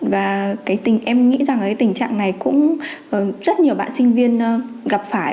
và em nghĩ rằng cái tình trạng này cũng rất nhiều bạn sinh viên gặp phải